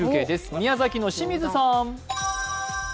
宮崎の清水さん。